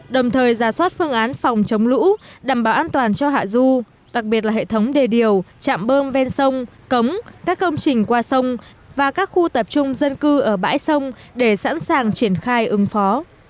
đồng thời giả soát phương án phòng chống lũ đảm bảo an toàn cho hạ du đặc biệt là hệ thống đề điều chạm bơm ven sông cống các công trình qua sông và các khu tập trung dân cư ở bãi sông để sẵn sàng triển khai ứng phó